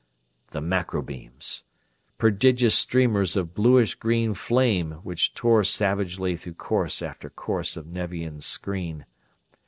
The macro beams! Prodigious streamers of bluish green flame which tore savagely through course after course of Nevian screen!